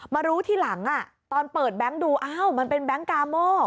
มารู้ทีหลังตอนเปิดแบงค์ดูอ้าวมันเป็นแบงค์กาโม่